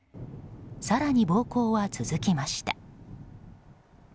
更に暴行は続きました。